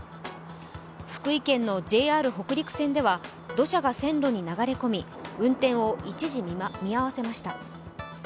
福井県のＪＲ北陸線では土砂が線路に流れ込み、運転を一時、見合わせました。